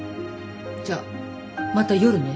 じゃあまた夜ね。